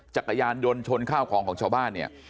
จักรยานยนต์ชนข้าวของของชาวบ้านเนี่ย